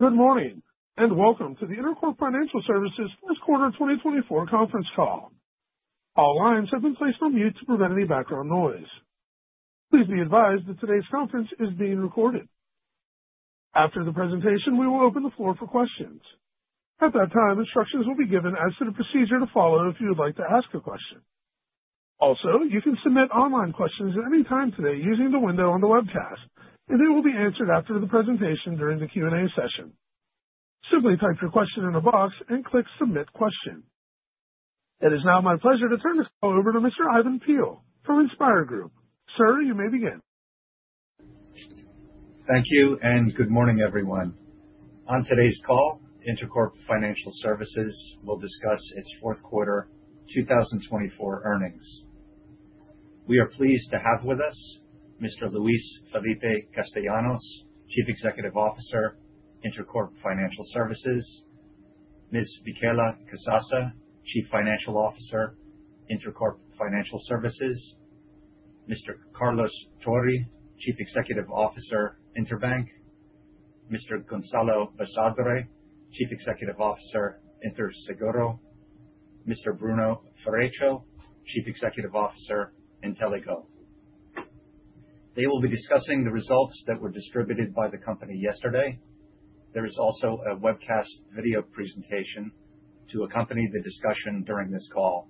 Good morning and welcome to the Intercorp Financial Services First Quarter 2024 Conference Call. All lines have been placed on mute to prevent any background noise. Please be advised that today's conference is being recorded. After the presentation, we will open the floor for questions. At that time, instructions will be given as to the procedure to follow if you would like to ask a question. Also, you can submit online questions at any time today using the window on the webcast, and they will be answered after the presentation during the Q&A session. Simply type your question in a box and click "Submit Question." It is now my pleasure to turn this call over to Mr. Ivan Peill from Inspire Group. Sir, you may begin. Thank you, and good morning, everyone. On today's call, Intercorp Financial Services will discuss its Fourth Quarter 2024 Earnings. We are pleased to have with us Mr. Luis Felipe Castellanos, [Chief Executive Officer],( Intercorp Financial Services). Ms. Michela Casassa, [Chief Financial Officer], (Intercorp Financial Services). Mr. Carlos Tori, [Chief Executive Officer], (Interbank). Mr. Gonzalo Basadre, [Chief Executive Officer], (Interseguro). Mr. Bruno Ferreccio, [Chief Executive Officer], (Inteligo). They will be discussing the results that were distributed by the company yesterday. There is also a webcast video presentation to accompany the discussion during this call.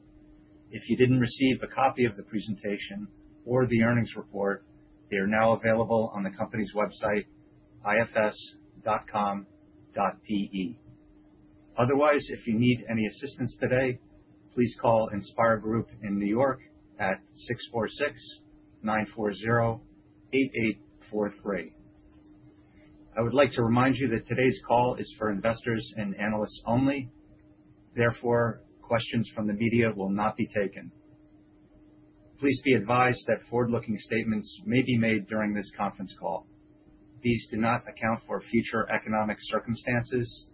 If you didn't receive a copy of the presentation or the earnings report, they are now available on the company's website, ifs.com.pe. Otherwise, if you need any assistance today, please call Inspire Group in New York at 646-940-8843. I would like to remind you that today's call is for investors and analysts only. Therefore, questions from the media will not be taken. Please be advised that forward-looking statements may be made during this conference call. These do not account for future economic circumstances,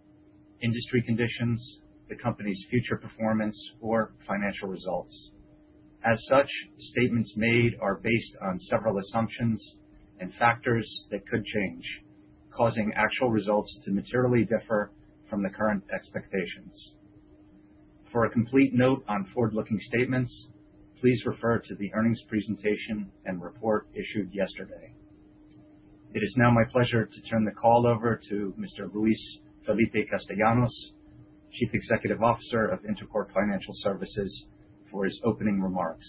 industry conditions, the company's future performance, or financial results. As such, statements made are based on several assumptions and factors that could change, causing actual results to materially differ from the current expectations. For a complete note on forward-looking statements, please refer to the earnings presentation and report issued yesterday. It is now my pleasure to turn the call over to Mr. Luis Felipe Castellanos, Chief Executive Officer of Intercorp Financial Services, for his opening remarks.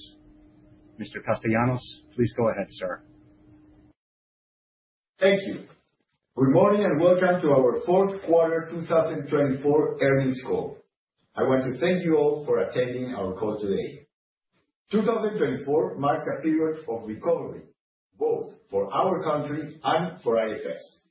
Mr. Castellanos, please go ahead, sir. Thank you. Good morning and welcome to our Fourth Quarter 2024 Earnings Call. I want to thank you all for attending our call today. 2024 marked a period of recovery, both for our country and for IFS.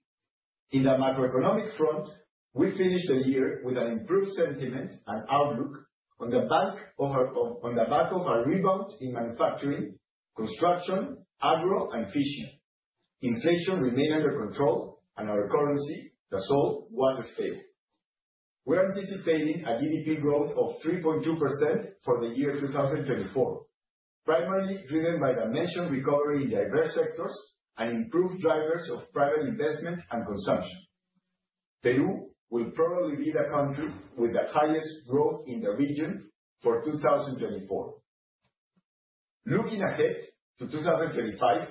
In the macroeconomic front, we finished the year with an improved sentiment and outlook on the back of a rebound in manufacturing, construction, agro, and fishing. Inflation remained under control, and our currency, the sol, was stable. We are anticipating a GDP growth of 3.2% for the year 2024, primarily driven by the mentioned recovery in diverse sectors and improved drivers of private investment and consumption. Peru will probably be the country with the highest growth in the region for 2024. Looking ahead to 2025,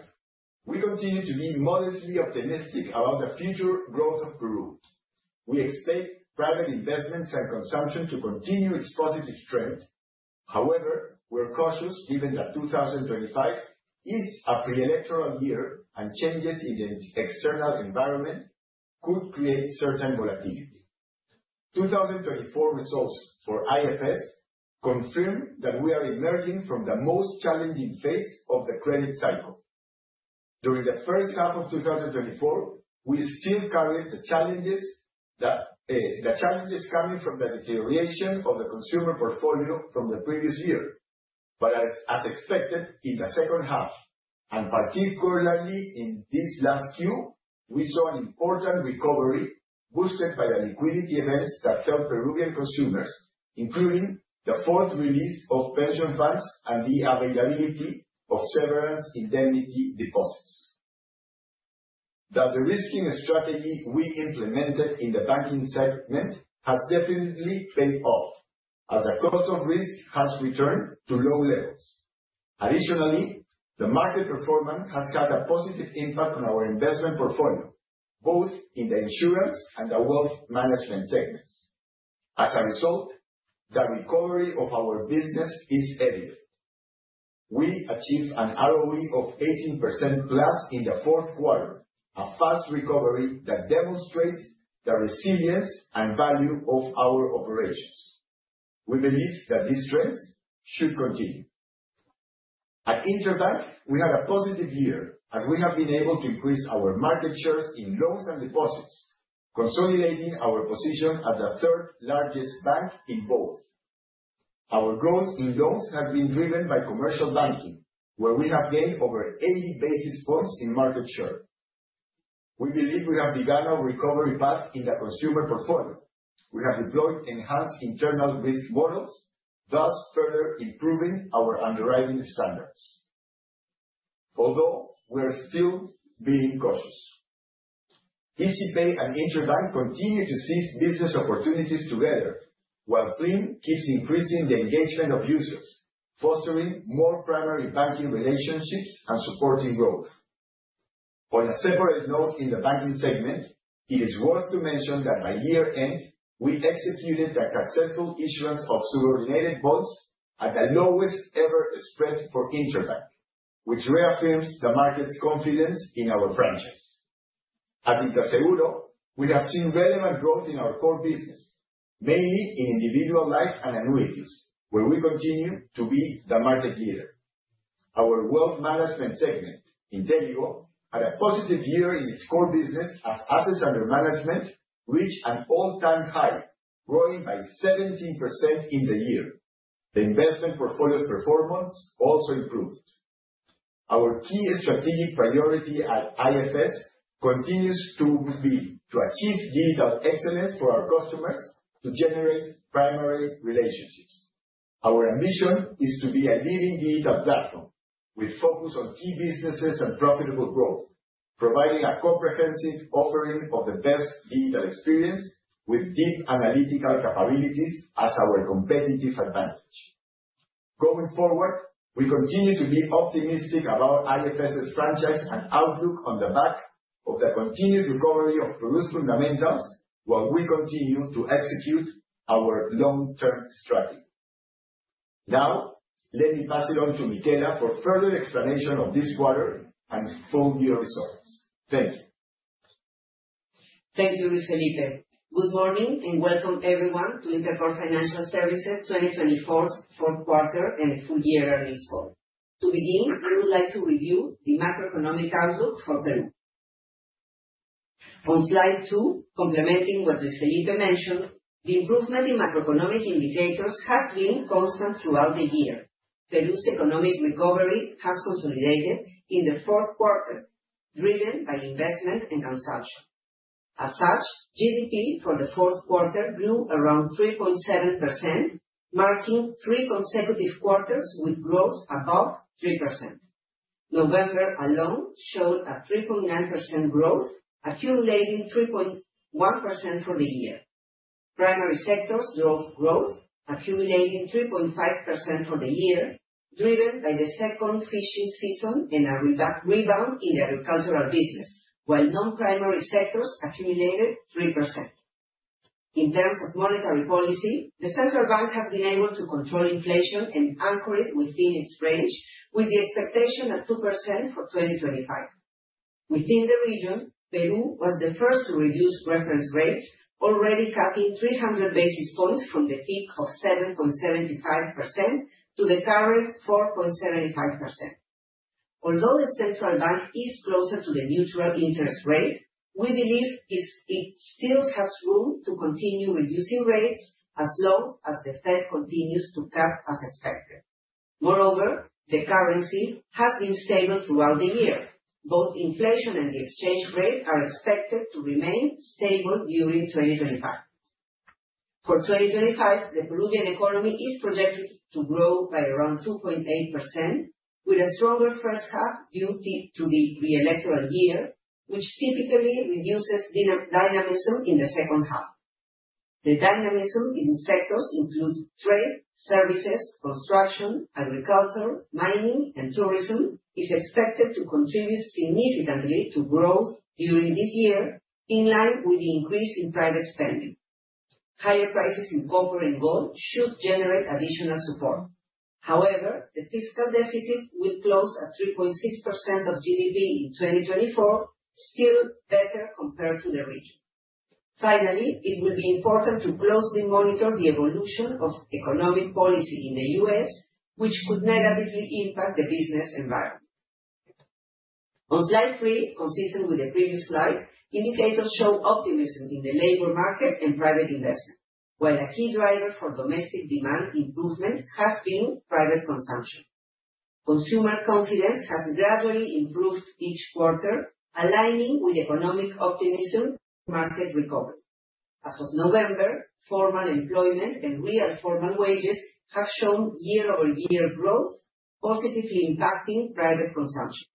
we continue to be modestly optimistic about the future growth of Peru. We expect private investments and consumption to continue its positive trend. However, we're cautious given that 2025 is a pre-electoral year and changes in the external environment could create certain volatility. 2024 results for IFS confirm that we are emerging from the most challenging phase of the credit cycle. During the first half of 2024, we still carry the challenges coming from the deterioration of the consumer portfolio from the previous year, but as expected, in the second half, and particularly in this last year, we saw an important recovery boosted by the liquidity events that helped Peruvian consumers, including the fourth release of pension funds and the availability of severance indemnity deposits. The de-risking strategy we implemented in the banking segment has definitely paid off as the cost of risk has returned to low levels. Additionally, the market performance has had a positive impact on our investment portfolio, both in the insurance and the wealth management segments. As a result, the recovery of our business is evident. We achieved an ROE of 18% plus in the Fourth Quarter, a fast recovery that demonstrates the resilience and value of our operations. We believe that this trend should continue. At Interbank, we had a positive year as we have been able to increase our market shares in loans and deposits, consolidating our position as the third-largest bank in both. Our growth in loans has been driven by commercial banking, where we have gained over 80 basis points in market share. We believe we have begun a recovery path in the consumer portfolio. We have deployed enhanced internal risk models, thus further improving our underwriting standards, although we are still being cautious. Izipay and Interbank continue to seize business opportunities together, while Plin keeps increasing the engagement of users, fostering more primary banking relationships and supporting growth. On a separate note in the banking segment, it is worth to mention that by year-end, we executed a successful issuance of subordinated bonds at the lowest-ever spread for Interbank, which reaffirms the market's confidence in our franchise. At Interseguro, we have seen relevant growth in our core business, mainly in individual life and annuities, where we continue to be the market leader. Our wealth management segment, Inteligo, had a positive year in its core business as assets under management reached an all-time high, growing by 17% in the year. The investment portfolio's performance also improved. Our key strategic priority at IFS continues to be to achieve digital excellence for our customers to generate primary relationships. Our ambition is to be a leading digital platform with focus on key businesses and profitable growth, providing a comprehensive offering of the best digital experience with deep analytical capabilities as our competitive advantage. Going forward, we continue to be optimistic about IFS's franchise and outlook on the back of the continued recovery of Peru's fundamentals while we continue to execute our long-term strategy. Now, let me pass it on to Michela for further explanation of this quarter and full-year results. Thank you. Thank you, Luis Felipe. Good morning and welcome, everyone, to Intercorp Financial Services' 2024 Fourth Quarter and its full-year earnings call. To begin, we would like to review the macroeconomic outlook for Peru. On slide two, complementing what Luis Felipe mentioned, the improvement in macroeconomic indicators has been constant throughout the year. Peru's economic recovery has consolidated in the fourth quarter, driven by investment and consumption. As such, GDP for the fourth quarter grew around 3.7%, marking three consecutive quarters with growth above 3%. November alone showed a 3.9% growth, accumulating 3.1% for the year. Primary sectors drove growth, accumulating 3.5% for the year, driven by the second fishing season and a rebound in the agricultural business, while non-primary sectors accumulated 3%. In terms of monetary policy, the central bank has been able to control inflation and anchor it within its range, with the expectation at 2% for 2025. Within the region, Peru was the first to reduce reference rates, already cutting 300 basis points from the peak of 7.75% to the current 4.75%. Although the central bank is closer to the neutral interest rate, we believe it still has room to continue reducing rates as long as the Fed continues to cut as expected. Moreover, the currency has been stable throughout the year. Both inflation and the exchange rate are expected to remain stable during 2025. For 2025, the Peruvian economy is projected to grow by around 2.8%, with a stronger first half due to the pre-electoral year, which typically reduces dynamism in the second half. The dynamism in sectors including trade, services, construction, agriculture, mining, and tourism is expected to contribute significantly to growth during this year, in line with the increase in private spending. Higher prices in copper and gold should generate additional support. However, the fiscal deficit will close at 3.6% of GDP in 2024, still better compared to the region. Finally, it will be important to closely monitor the evolution of economic policy in the U.S., which could negatively impact the business environment. On slide three, consistent with the previous slide, indicators show optimism in the labor market and private investment, while a key driver for domestic demand improvement has been private consumption. Consumer confidence has gradually improved each quarter, aligning with economic optimism. Market recovery. As of November, formal employment and real formal wages have shown year-over-year growth, positively impacting private consumption.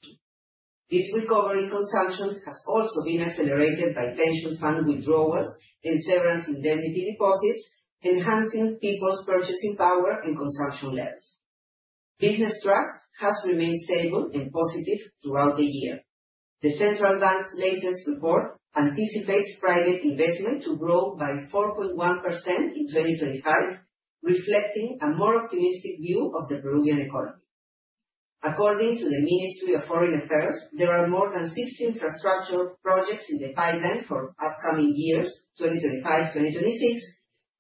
This recovery in consumption has also been accelerated by pension fund withdrawals and severance indemnity deposits, enhancing people's purchasing power and consumption levels. Business trust has remained stable and positive throughout the year. Reserve Bank of Peru's latest report anticipates private investment to grow by 4.1% in 2025, reflecting a more optimistic view of the Peruvian economy. According to the Ministry of Foreign Affairs, there are more than 60 infrastructure projects in the pipeline for upcoming years, 2025-2026,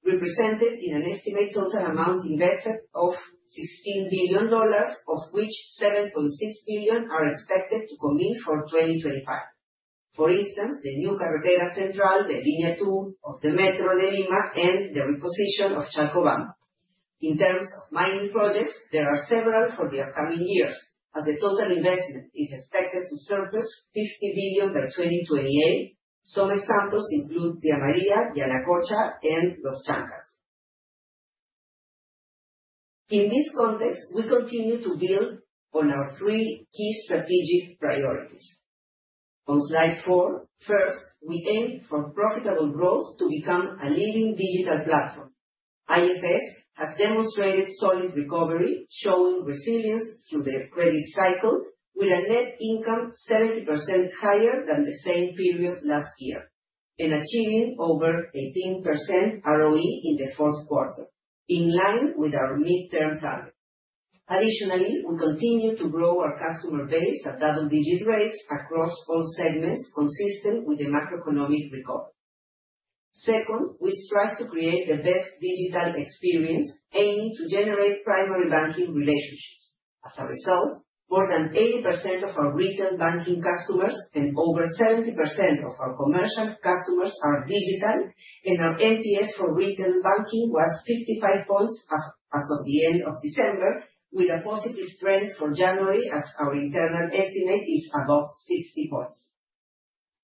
represented in an estimated total amount invested of $16 billion of which $7.6 billion are expected to combine for 2025. For instance, the new Carretera Central, the Línea 2 of the Metro de Lima, and the reposition of Chalcobamba. In terms of mining projects, there are several for the upcoming years, as the total investment is expected to surpass $50 billion by 2028. Some examples include Tía María, Yanacocha, and Los Chancas. In this context, we continue to build on our three key strategic priorities. On slide four, first, we aim for profitable growth to become a leading digital platform. IFS has demonstrated solid recovery, showing resilience through the credit cycle, with a net income 70% higher than the same period last year and achieving over 18% ROE in the fourth quarter, in line with our midterm target. Additionally, we continue to grow our customer base at double-digit rates across all segments, consistent with the macroeconomic recovery. Second, we strive to create the best digital experience, aiming to generate primary banking relationships. As a result, more than 80% of our retail banking customers and over 70% of our commercial customers are digital, and our NPS for retail banking was 55 points as of the end of December, with a positive trend for January as our internal estimate is above 60 points.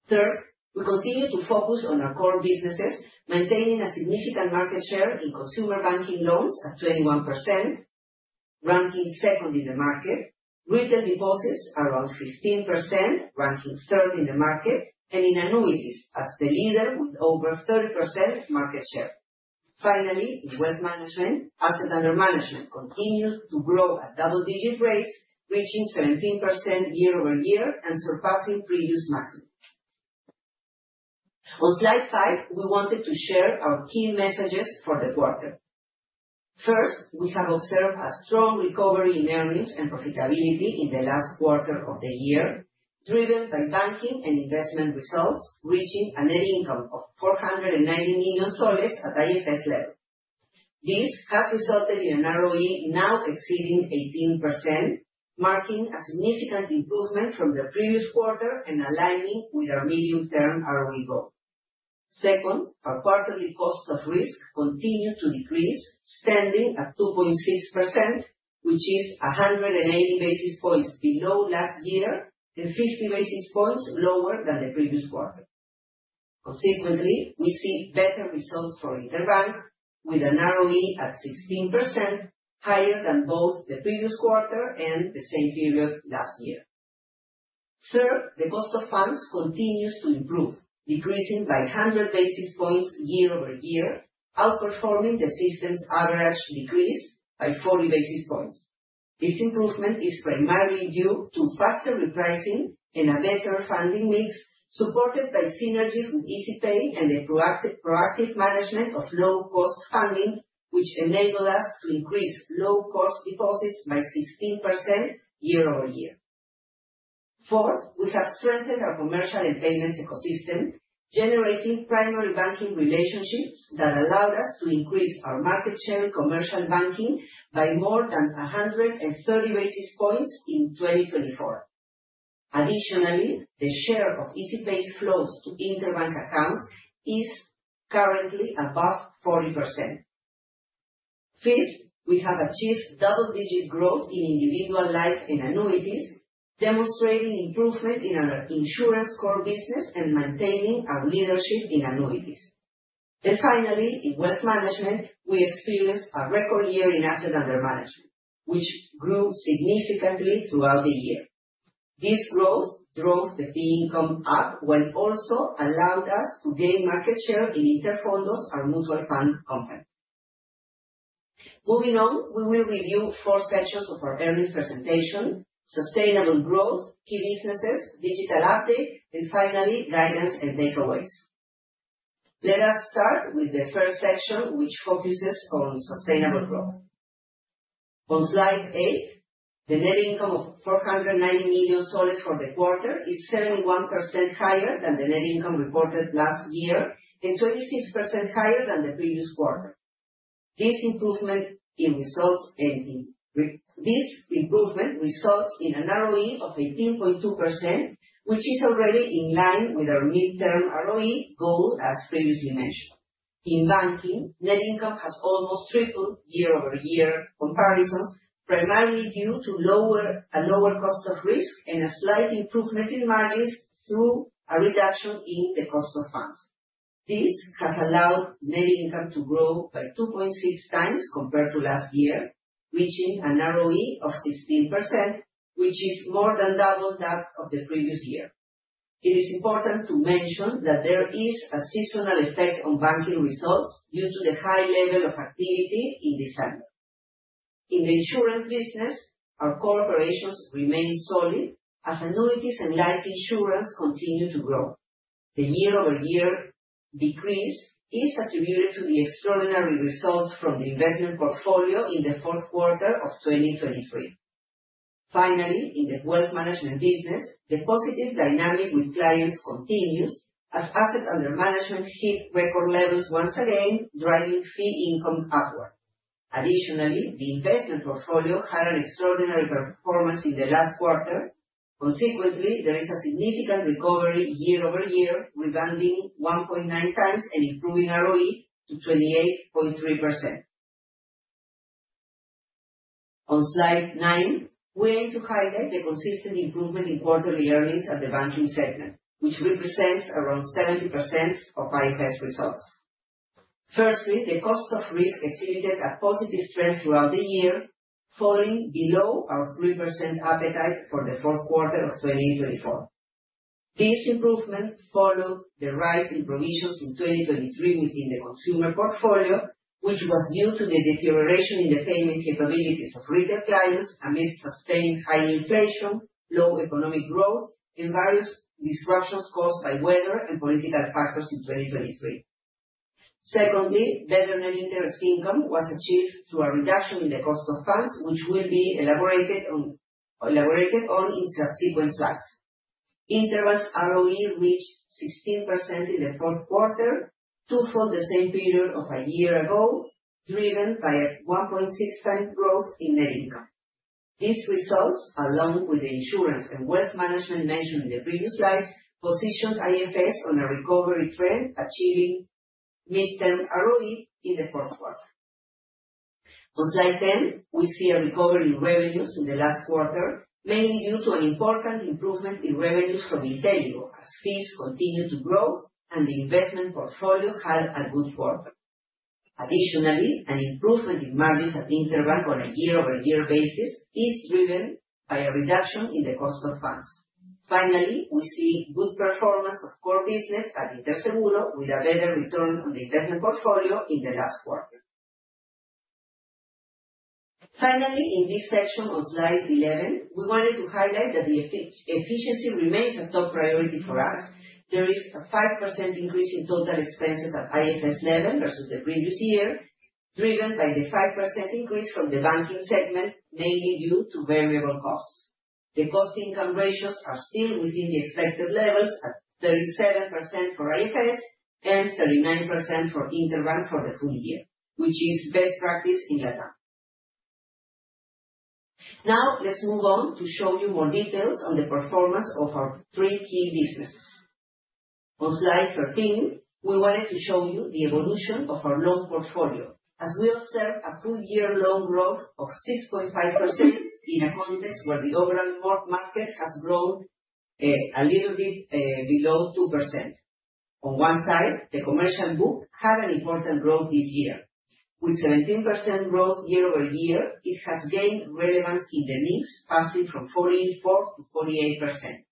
Third, we continue to focus on our core businesses, maintaining a significant market share in consumer banking loans at 21%, ranking second in the market, retail deposits around 15%, ranking third in the market, and in annuities as the leader with over 30% market share. Finally, in wealth management, asset under management continues to grow at double-digit rates, reaching 17% year-over-year and surpassing previous maximum. On slide five, we wanted to share our key messages for the quarter. First, we have observed a strong recovery in earnings and profitability in the last quarter of the year, driven by banking and investment results, reaching a net income of $490 million at IFS level. This has resulted in an ROE now exceeding 18%, marking a significant improvement from the previous quarter and aligning with our medium-term ROE goal. Second, our quarterly cost of risk continued to decrease, standing at 2.6%, which is 180 basis points below last year and 50 basis points lower than the previous quarter. Consequently, we see better results for Interbank, with an ROE at 16%, higher than both the previous quarter and the same period last year. Third, the cost of funds continues to improve, decreasing by 100 basis points year-over-year, outperforming the system's average decrease by 40 basis points. This improvement is primarily due to faster repricing and a better funding mix, supported by synergies with Izipay and the proactive management of low-cost funding, which enabled us to increase low-cost deposits by 16% year-over-year. Fourth, we have strengthened our commercial and payments ecosystem, generating primary banking relationships that allowed us to increase our market share in commercial banking by more than 130 basis points in 2024. Additionally, the share of Izipay's flows to Interbank accounts is currently above 40%. Fifth, we have achieved double-digit growth in individual life and annuities, demonstrating improvement in our insurance core business and maintaining our leadership in annuities, and finally, in wealth management, we experienced a record year in asset under management, which grew significantly throughout the year. This growth drove the fee income up, while also allowed us to gain market share in Interfondos, our mutual fund company. Moving on, we will review four sections of our earnings presentation: sustainable growth, key businesses, digital update, and finally, guidance and takeaways. Let us start with the first section, which focuses on sustainable growth. On slide eight, the net income of $490 million for the quarter is 71% higher than the net income reported last year and 26% higher than the previous quarter. This improvement results in an ROE of 18.2%, which is already in line with our midterm ROE goal, as previously mentioned. In banking, net income has almost tripled year-over-year comparisons, primarily due to a lower cost of risk and a slight improvement in margins through a reduction in the cost of funds. This has allowed net income to grow by 2.6 times compared to last year, reaching an ROE of 16%, which is more than double that of the previous year. It is important to mention that there is a seasonal effect on banking results due to the high level of activity in December. In the insurance business, our core operations remain solid as annuities and life insurance continue to grow. The year-over-year decrease is attributed to the extraordinary results from the investment portfolio in the fourth quarter of 2023. Finally, in the wealth management business, the positive dynamic with clients continues as assets under management hit record levels once again, driving fee income upward. Additionally, the investment portfolio had an extraordinary performance in the last quarter. Consequently, there is a significant recovery year-over-year, rebounding 1.9 times and improving ROE to 28.3%. On slide nine, we aim to highlight the consistent improvement in quarterly earnings at the banking segment, which represents around 70% of IFS results. Firstly, the cost of risk exhibited a positive trend throughout the year, falling below our 3% appetite for the fourth quarter of 2024. This improvement followed the rise in provisions in 2023 within the consumer portfolio, which was due to the deterioration in the payment capabilities of retail clients amid sustained high inflation, low economic growth, and various disruptions caused by weather and political factors in 2023. Secondly, better net interest income was achieved through a reduction in the cost of funds, which will be elaborated on in subsequent slides. Interbank's ROE reached 16% in the fourth quarter, two-fold the same period of a year ago, driven by a 1.6-time growth in net income. These results, along with the insurance and wealth management mentioned in the previous slides, positioned IFS on a recovery trend, achieving midterm ROE in the fourth quarter. On slide 10, we see a recovery in revenues in the last quarter, mainly due to an important improvement in revenues from Inteligo as fees continue to grow and the investment portfolio had a good quarter. Additionally, an improvement in margins at Interbank on a year-over-year basis is driven by a reduction in the cost of funds. Finally, we see good performance of core business at Interseguro with a better return on the investment portfolio in the last quarter. Finally, in this section on slide 11, we wanted to highlight that the efficiency remains a top priority for us. There is a 5% increase in total expenses at IFS level versus the previous year, driven by the 5% increase from the banking segment, mainly due to variable costs. The cost-income ratios are still within the expected levels at 37% for IFS and 39% for Interbank for the full year, which is best practice in Latam. Now, let's move on to show you more details on the performance of our three key businesses. On slide 13, we wanted to show you the evolution of our loan portfolio as we observe a two-year loan growth of 6.5% in a context where the overall market has grown a little bit below 2%. On one side, the commercial book had an important growth this year. With 17% growth year-over-year, it has gained relevance in the mix, passing from 44% to 48%.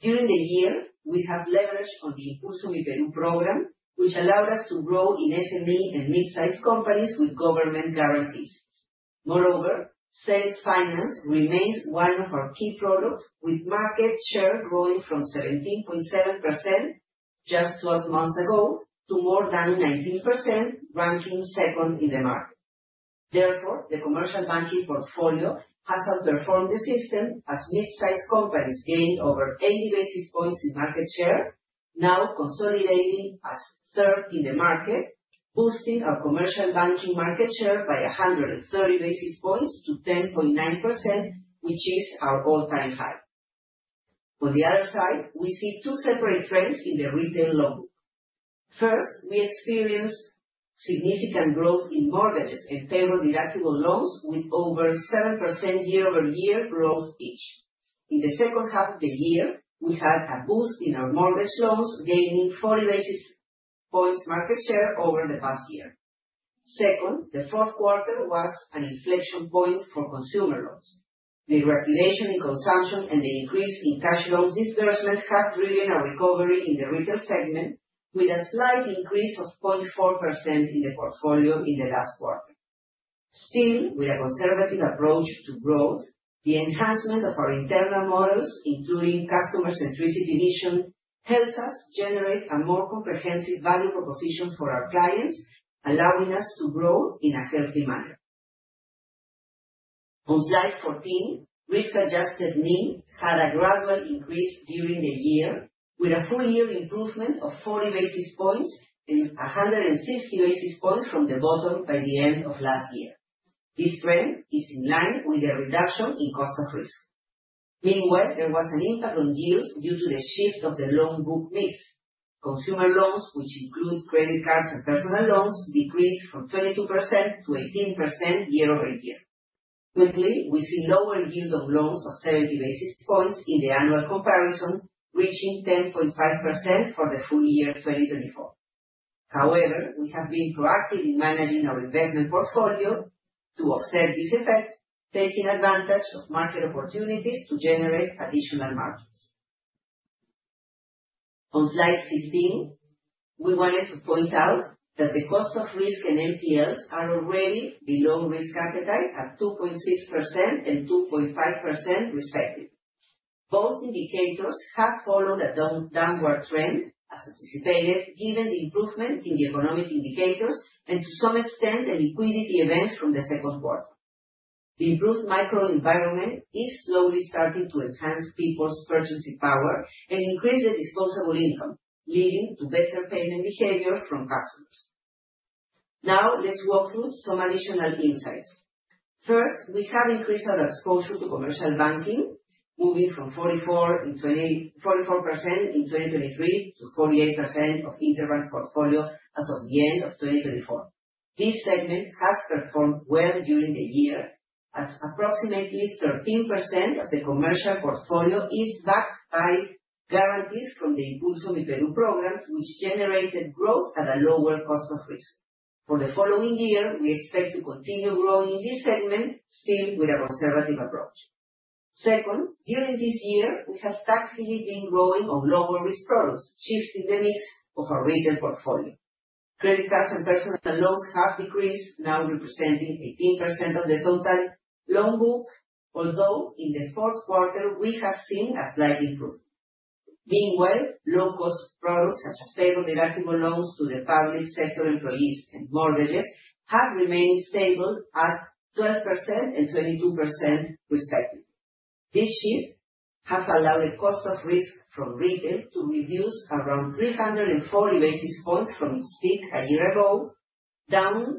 During the year, we have leveraged on the Impulso Myperú program, which allowed us to grow in SME and mid-sized companies with government guarantees. Moreover, Sales Finance remains one of our key products, with market share growing from 17.7% just 12 months ago to more than 19%, ranking second in the market. Therefore, the commercial banking portfolio has outperformed the system as mid-sized companies gained over 80 basis points in market share, now consolidating as third in the market, boosting our commercial banking market share by 130 basis points to 10.9%, which is our all-time high. On the other side, we see two separate trends in the retail loan book. First, we experienced significant growth in mortgages and payroll deductible loans with over 7% year-over-year growth each. In the second half of the year, we had a boost in our mortgage loans, gaining 40 basis points market share over the past year. Second, the fourth quarter was an inflection point for consumer loans. The reactivation in consumption and the increase in cash loans disbursement have driven a recovery in the retail segment, with a slight increase of 0.4% in the portfolio in the last quarter. Still, with a conservative approach to growth, the enhancement of our internal models, including customer-centricity vision, helps us generate a more comprehensive value proposition for our clients, allowing us to grow in a healthy manner. On slide 14, risk-adjusted NIM had a gradual increase during the year, with a full-year improvement of 40 basis points and 160 basis points from the bottom by the end of last year. This trend is in line with the reduction in cost of risk. Meanwhile, there was an impact on yields due to the shift of the loan book mix. Consumer loans, which include credit cards and personal loans, decreased from 22% to 18% year-over-year. Quickly, we see lower yield on loans of 70 basis points in the annual comparison, reaching 10.5% for the full year 2024. However, we have been proactive in managing our investment portfolio to offset this effect, taking advantage of market opportunities to generate additional margins. On slide 15, we wanted to point out that the cost of risk and NPLs are already below risk appetite at 2.6% and 2.5%, respectively. Both indicators have followed a downward trend, as anticipated, given the improvement in the economic indicators and, to some extent, the liquidity events from the second quarter. The improved macro environment is slowly starting to enhance people's purchasing power and increase the disposable income, leading to better payment behavior from customers. Now, let's walk through some additional insights. First, we have increased our exposure to commercial banking, moving from 44% in 2023 to 48% of Interbank's portfolio as of the end of 2024. This segment has performed well during the year, as approximately 13% of the commercial portfolio is backed by guarantees from the Impulso Myperú program, which generated growth at a lower cost of risk. For the following year, we expect to continue growing in this segment, still with a conservative approach. Second, during this year, we have tactfully been growing on lower-risk products, shifting the mix of our retail portfolio. Credit cards and personal loans have decreased, now representing 18% of the total loan book, although in the fourth quarter, we have seen a slight improvement. Meanwhile, low-cost products such as payroll deductible loans to the public sector employees and mortgages have remained stable at 12% and 22%, respectively. This shift has allowed the cost of risk from retail to reduce around 340 basis points from its peak a year ago, down to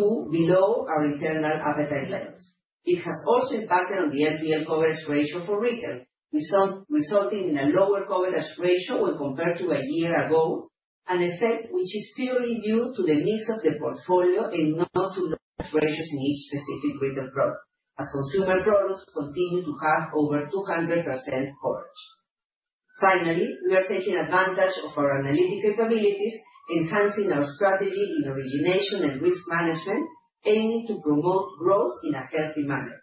below our internal appetite levels. It has also impacted on the NPL coverage ratio for retail, resulting in a lower coverage ratio when compared to a year ago, an effect which is purely due to the mix of the portfolio and not to lower coverage ratios in each specific retail product, as consumer products continue to have over 200% coverage. Finally, we are taking advantage of our analytic capabilities, enhancing our strategy in origination and risk management, aiming to promote growth in a healthy manner.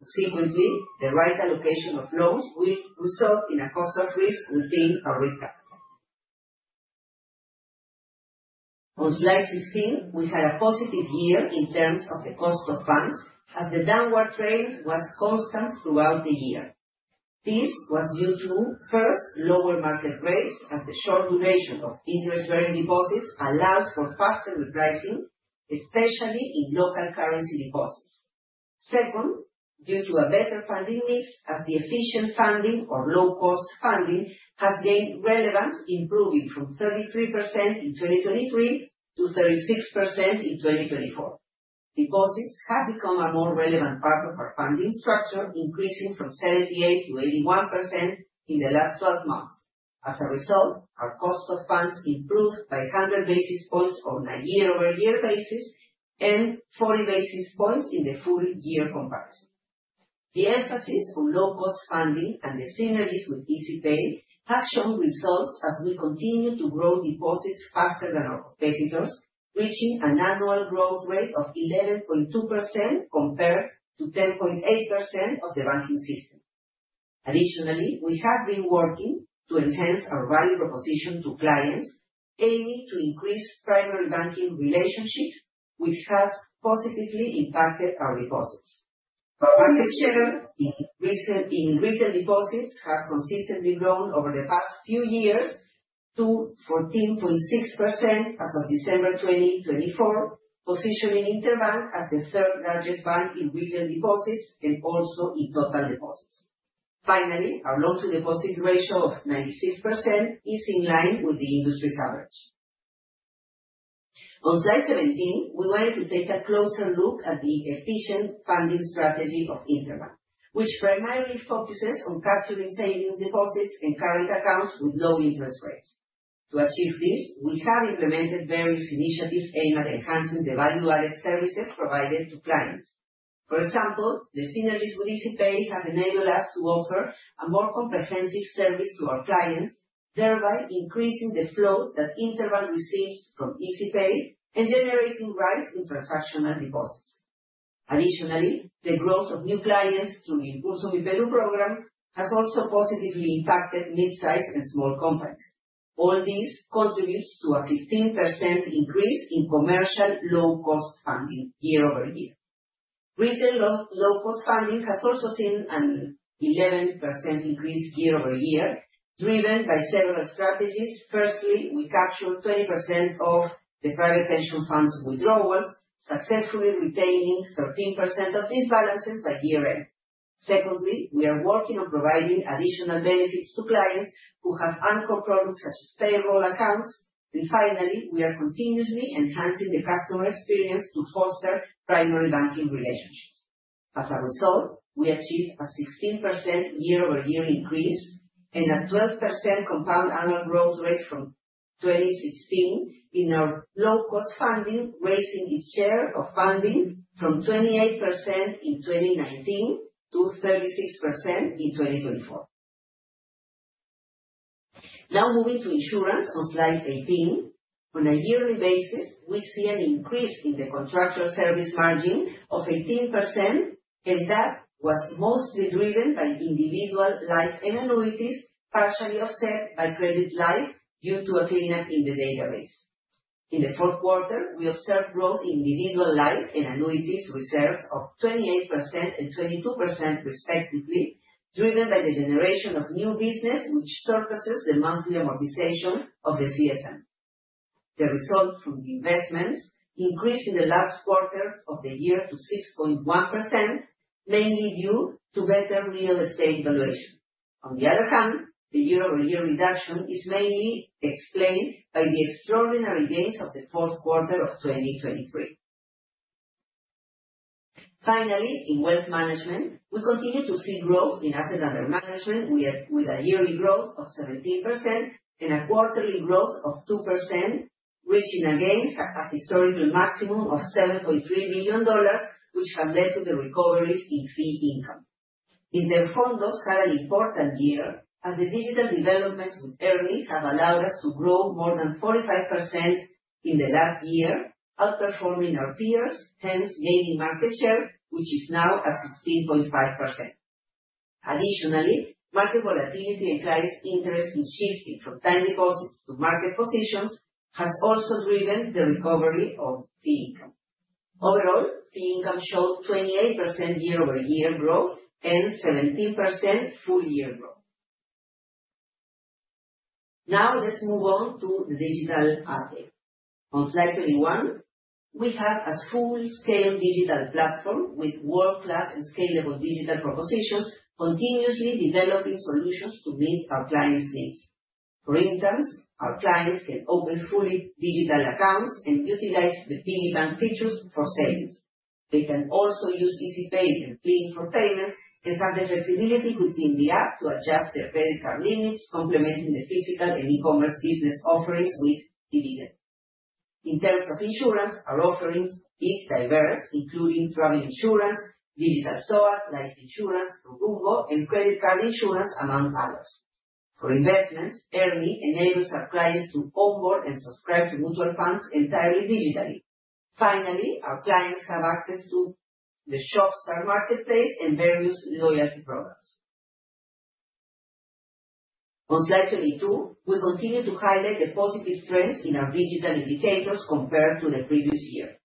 Consequently, the right allocation of loans will result in a cost of risk within our risk appetite. On slide 16, we had a positive year in terms of the cost of funds, as the downward trend was constant throughout the year. This was due to, first, lower market rates, as the short duration of interest-bearing deposits allows for faster repricing, especially in local currency deposits. Second, due to a better funding mix, as the efficient funding or low-cost funding has gained relevance, improving from 33% in 2023 to 36% in 2024. Deposits have become a more relevant part of our funding structure, increasing from 78% to 81% in the last 12 months. As a result, our cost of funds improved by 100 basis points on a year-over-year basis and 40 basis points in the full-year comparison. The emphasis on low-cost funding and the synergies with Izipay have shown results as we continue to grow deposits faster than our competitors, reaching an annual growth rate of 11.2% compared to 10.8% of the banking system. Additionally, we have been working to enhance our value proposition to clients, aiming to increase primary banking relationships, which has positively impacted our deposits. Our market share in retail deposits has consistently grown over the past few years to 14.6% as of December 2024, positioning Interbank as the third largest bank in retail deposits and also in total deposits. Finally, our loan-to-deposit ratio of 96% is in line with the industry's average. On slide 17, we wanted to take a closer look at the efficient funding strategy of Interbank, which primarily focuses on capturing savings deposits and current accounts with low interest rates. To achieve this, we have implemented various initiatives aimed at enhancing the value-added services provided to clients. For example, the synergies with Izipay have enabled us to offer a more comprehensive service to our clients, thereby increasing the flow that Interbank receives from Izipay and generating rise in transactional deposits. Additionally, the growth of new clients through the Impulso Myperú program has also positively impacted mid-sized and small companies. All this contributes to a 15% increase in commercial low-cost funding year-over-year. Retail low-cost funding has also seen an 11% increase year-over-year, driven by several strategies. Firstly, we captured 20% of the private pension funds withdrawals, successfully retaining 13% of these balances by year-end. Secondly, we are working on providing additional benefits to clients who have anchor products such as payroll accounts. And finally, we are continuously enhancing the customer experience to foster primary banking relationships. As a result, we achieved a 16% year-over-year increase and a 12% compound annual growth rate from 2016 in our low-cost funding, raising its share of funding from 28% in 2019 to 36% in 2024. Now moving to insurance on slide 18, on a yearly basis, we see an increase in the Contractual Service Margin of 18%, and that was mostly driven by individual life and annuities, partially offset by credit life due to a cleanup in the database. In the fourth quarter, we observed growth in individual life and annuities reserves of 28% and 22%, respectively, driven by the generation of new business, which surpasses the monthly amortization of the CSM. The result from the investments increased in the last quarter of the year to 6.1%, mainly due to better real estate valuation. On the other hand, the year-over-year reduction is mainly explained by the extraordinary gains of the fourth quarter of 2023. Finally, in wealth management, we continue to see growth in asset under management with a yearly growth of 17% and a quarterly growth of 2%, reaching again a historical maximum of $7.3 million, which have led to the recoveries in fee income. Interfondos had an important year as the digital developments with Erni have allowed us to grow more than 45% in the last year, outperforming our peers, hence gaining market share, which is now at 16.5%. Additionally, market volatility and clients' interest in shifting from time deposits to market positions has also driven the recovery of fee income. Overall, fee income showed 28% year-over-year growth and 17% full-year growth. Now let's move on to the digital app. On slide 21, we have a full-scale digital platform with world-class and scalable digital propositions, continuously developing solutions to meet our clients' needs. For instance, our clients can open fully digital accounts and utilize the Piggy Bank features for savings. They can also use Izipay and Plin for payments and have the flexibility within the app to adjust their credit card limits, complementing the physical and e-commerce business offerings with Dividenz. In terms of insurance, our offerings are diverse, including travel insurance, digital SOAT, life insurance, ProCumbo, and credit card insurance, among others. For investments, Erni enables our clients to onboard and subscribe to mutual funds entirely digitally. Finally, our clients have access to the Shopstar Marketplace and various loyalty programs. On slide 22, we continue to highlight the positive trends in our digital indicators compared to the previous year.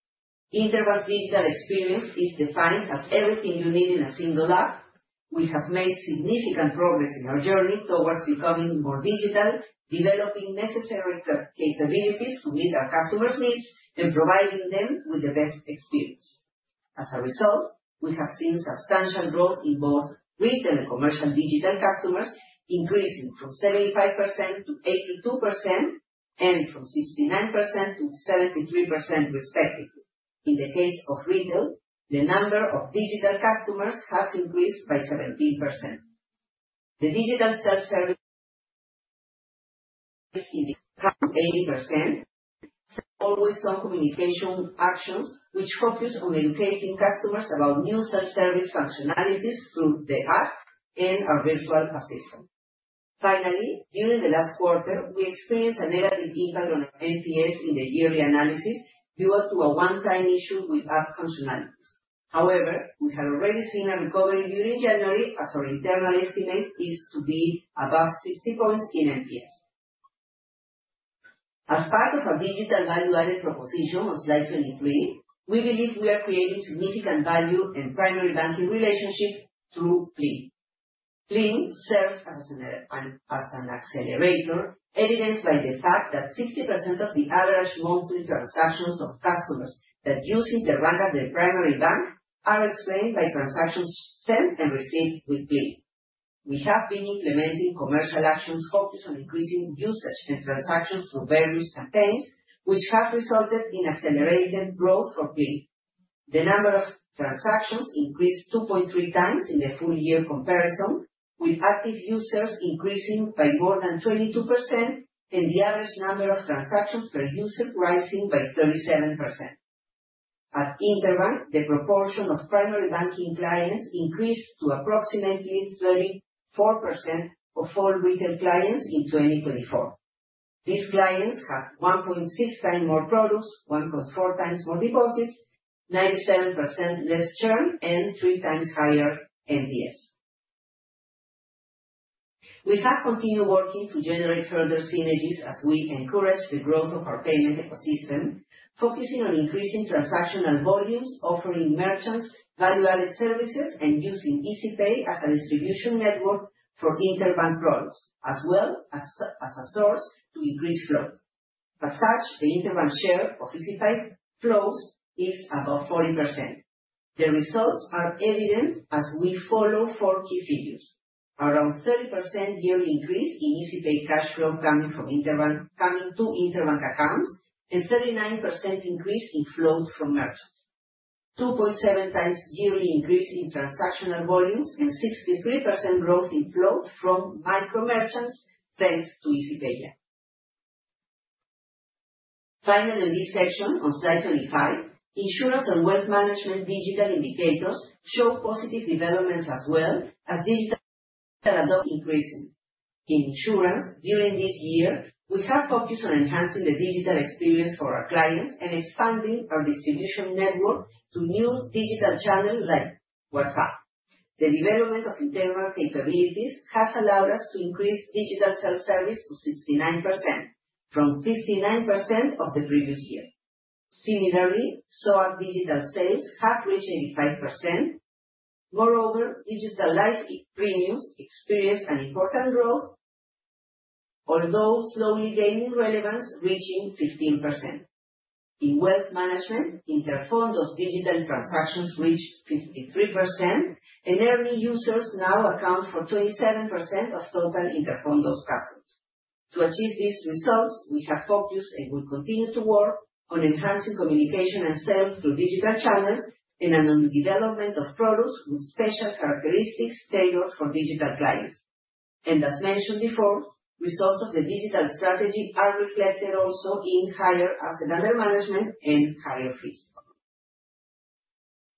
Interbank's digital experience is defined as everything you need in a single app. We have made significant progress in our journey towards becoming more digital, developing necessary capabilities to meet our customers' needs, and providing them with the best experience. As a result, we have seen substantial growth in both retail and commercial digital customers, increasing from 75% to 82% and from 69% to 73%, respectively. In the case of retail, the number of digital customers has increased by 17%. The digital self-service is increasing to 80%, always on communication actions, which focus on educating customers about new self-service functionalities through the app and our virtual assistant. Finally, during the last quarter, we experienced a negative impact on our NPS in the yearly analysis due to a one-time issue with app functionalities. However, we had already seen a recovery during January, as our internal estimate is to be above 60 points in NPS. As part of our digital value-added proposition on slide 23, we believe we are creating significant value and primary banking relationships through Plin. Plin serves as an accelerator, evidenced by the fact that 60% of the average monthly transactions of customers that use Interbank as their primary bank are explained by transactions sent and received with Plin. We have been implementing commercial actions focused on increasing usage and transactions through various campaigns, which have resulted in accelerated growth for Plin. The number of transactions increased 2.3 times in the full-year comparison, with active users increasing by more than 22% and the average number of transactions per user rising by 37%. At Interbank, the proportion of primary banking clients increased to approximately 34% of all retail clients in 2024. These clients have 1.6 times more products, 1.4 times more deposits, 97% less churn, and three times higher NPS. We have continued working to generate further synergies as we encourage the growth of our payment ecosystem, focusing on increasing transactional volumes, offering merchants value-added services and using Izipay as a distribution network for Interbank products, as well as a source to increase flow. As such, the Interbank share of Izipay flows is above 40%. The results are evident as we follow four key figures: around 30% yearly increase in Izipay cash flow coming from Interbank to Interbank accounts and 39% increase in flow from merchants, 2.7 times yearly increase in transactional volumes, and 63% growth in flow from micro merchants thanks to Izipay. Finally, in this section, on slide 25, insurance and wealth management digital indicators show positive developments as well as digital adoption increasing. In insurance, during this year, we have focused on enhancing the digital experience for our clients and expanding our distribution network to new digital channels like WhatsApp. The development of Interbank capabilities has allowed us to increase digital self-service to 69% from 59% of the previous year. Similarly, SOAT digital sales have reached 85%. Moreover, digital life premiums experienced an important growth, although slowly gaining relevance, reaching 15%. In wealth management, Interfondos digital transactions reached 53%, and Erni users now account for 27% of total Interfondos customers. To achieve these results, we have focused and will continue to work on enhancing communication and sales through digital channels and on the development of products with special characteristics tailored for digital clients. And as mentioned before, results of the digital strategy are reflected also in higher asset under management and higher fees.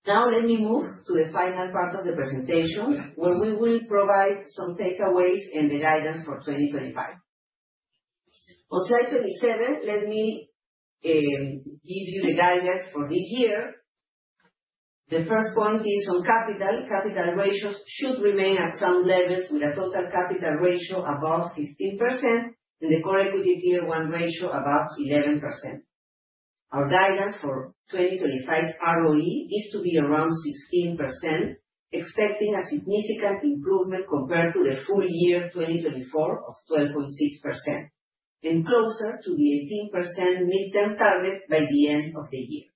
Now let me move to the final part of the presentation where we will provide some takeaways and the guidance for 2025. On slide 27, let me give you the guidance for this year. The first point is on capital. Capital ratios should remain at some levels with a total capital ratio above 15% and the Core Equity Tier 1 ratio above 11%. Our guidance for 2025 ROE is to be around 16%, expecting a significant improvement compared to the full year 2024 of 12.6% and closer to the 18% midterm target by the end of the year.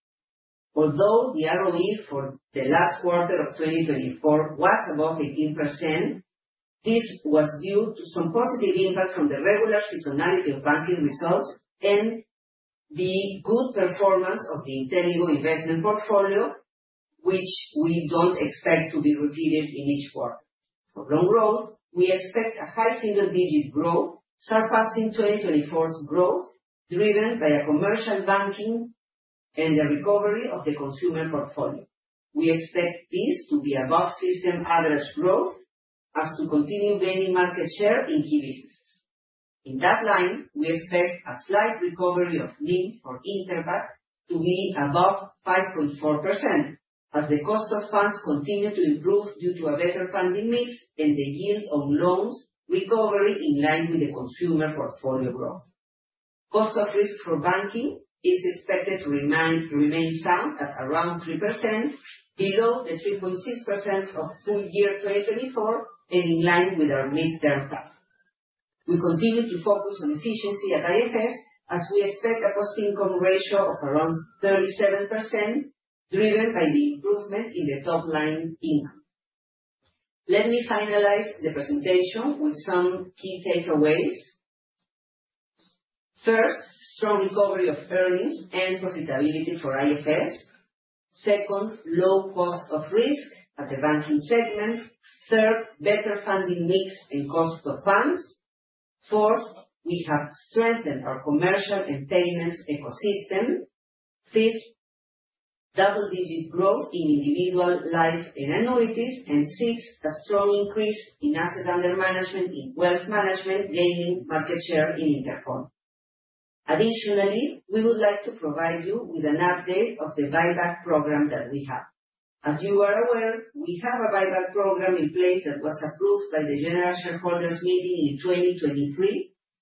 Although the ROE for the last quarter of 2024 was above 18%, this was due to some positive impacts from the regular seasonality of banking results and the good performance of the Inteligo investment portfolio, which we don't expect to be repeated in each quarter. For loan growth, we expect a high single-digit growth surpassing 2024's growth, driven by commercial banking and the recovery of the consumer portfolio. We expect this to be above system average growth as to continue gaining market share in key businesses. In that line, we expect a slight recovery of NIM for Interbank to be above 5.4% as the cost of funds continue to improve due to a better funding mix and the yield on loans recovery in line with the consumer portfolio growth. Cost of risk for banking is expected to remain sound at around 3%, below the 3.6% of full year 2024 and in line with our midterm path. We continue to focus on efficiency at IFS as we expect a cost-income ratio of around 37%, driven by the improvement in the top line income. Let me finalize the presentation with some key takeaways. First, strong recovery of earnings and profitability for IFS. Second, low cost of risk at the banking segment. Third, better funding mix and cost of funds. Fourth, we have strengthened our commercial and payments ecosystem. Fifth, double-digit growth in individual life and annuities. And sixth, a strong increase in assets under management in wealth management, gaining market share in Interfondos. Additionally, we would like to provide you with an update of the buyback program that we have. As you are aware, we have a buyback program in place that was approved by the general shareholders meeting in 2023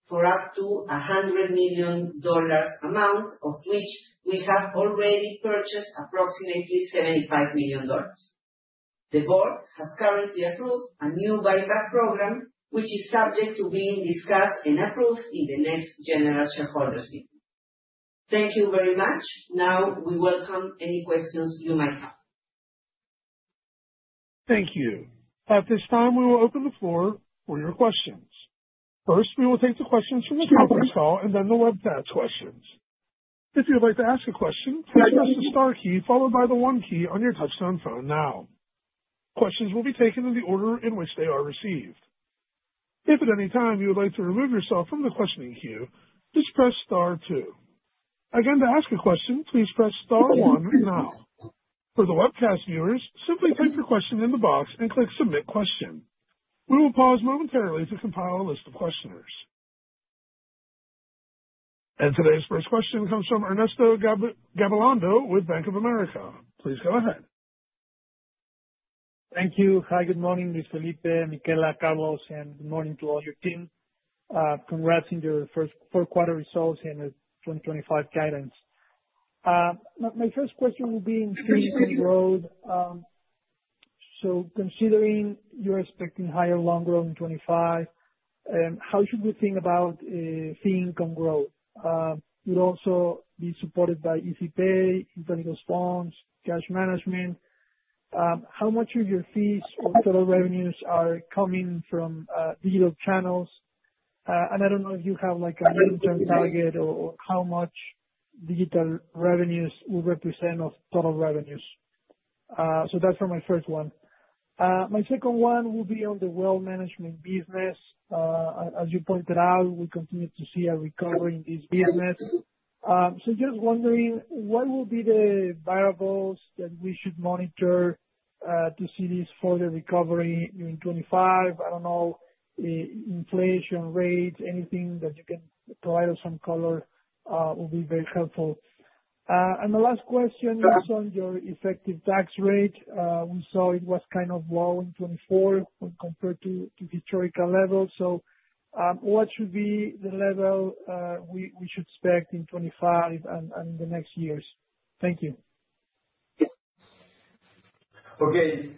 for up to $100 million dollars amount, of which we have already purchased approximately $75 million. The board has currently approved a new buyback program, which is subject to being discussed and approved in the next general shareholders meeting. Thank you very much. Now we welcome any questions you might have. Thank you. At this time, we will open the floor for your questions. First, we will take the questions from the conference call and then the web chat questions. If you'd like to ask a question, please press the star key followed by the one key on your touch-tone phone now. Questions will be taken in the order in which they are received. If at any time you would like to remove yourself from the questioning queue, please press star two. Again, to ask a question, please press star one now. For the webcast viewers, simply type your question in the box and click submit question. We will pause momentarily to compile a list of questioners, and today's first question comes from Ernesto Gabilondo with Bank of America. Please go ahead. Thank you. Hi, good morning, Luis Felipe, Michela, Carlos, and good morning to all your team. Congrats on your first four-quarter results and the 2025 guidance. My first question will be in fee income growth so considering you're expecting higher loan growth in 2025, how should we think about fee income growth? You'd also be supported by Izipay, Inteligo's funds, cash management. How much of your fees or total revenues are coming from digital channels? And I don't know if you have a mid-term target or how much digital revenues will represent of total revenues. So that's for my first one. My second one will be on the wealth management business. As you pointed out, we continue to see a recovery in this business. So just wondering, what will be the variables that we should monitor to see this further recovery in 2025? I don't know, inflation rates, anything that you can provide us some color will be very helpful. The last question is on your effective tax rate. We saw it was kind of low in 2024 when compared to historical levels. So what should be the level we should expect in 2025 and the next years? Thank you. Okay.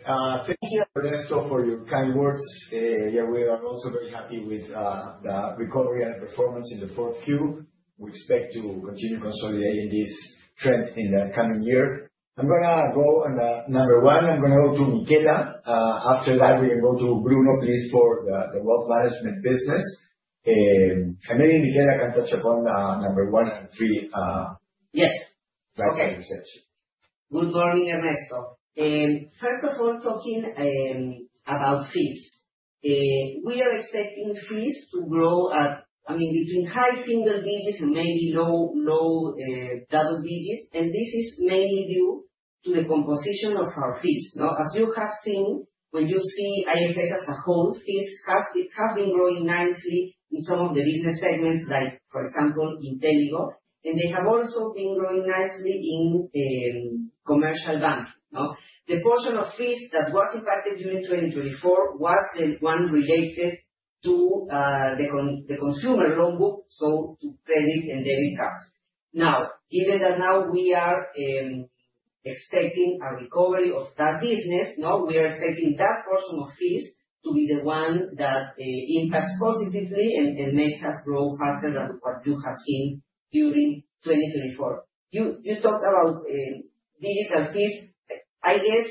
Thank you, Ernesto, for your kind words. Yeah, we are also very happy with the recovery and performance in the fourth Q. We expect to continue consolidating this trend in the coming year. I'm going to go on number one. I'm going to go to Michela. After that, we can go to Bruno, please, for the wealth management business. And maybe Michela can touch upon number one and three. Yes. Like I said. Okay. Good morning, Ernesto. First of all, talking about fees, we are expecting fees to grow at, I mean, between high single digits% and maybe low double digits%.This is mainly due to the composition of our fees. As you have seen, when you see IFS as a whole, fees have been growing nicely in some of the business segments, like, for example, Inteligo, and they have also been growing nicely in commercial banking. The portion of fees that was impacted during 2024 was the one related to the consumer loan book, so to credit and debit cards. Now, given that now we are expecting a recovery of that business, we are expecting that portion of fees to be the one that impacts positively and makes us grow faster than what you have seen during 2024. You talked about digital fees. I guess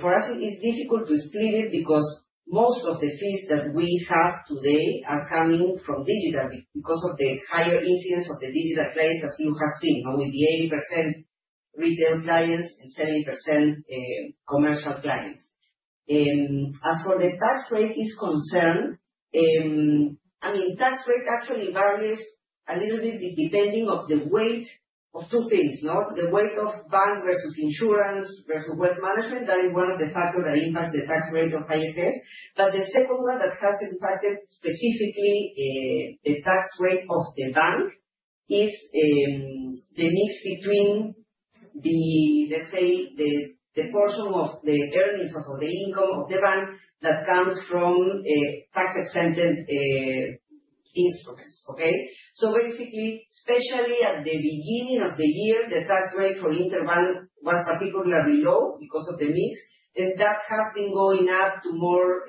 for us, it is difficult to explain it because most of the fees that we have today are coming from digital because of the higher incidence of the digital clients, as you have seen, with the 80% retail clients and 70% commercial clients. As for the tax rate is concerned, I mean, tax rate actually varies a little bit depending on the weight of two things: the weight of bank versus insurance versus wealth management. That is one of the factors that impacts the tax rate of IFS. But the second one that has impacted specifically the tax rate of the bank is the mix between, let's say, the portion of the earnings or the income of the bank that comes from tax-exempted instruments. Okay? So basically, especially at the beginning of the year, the tax rate for Interbank was particularly low because of the mix, and that has been going up to more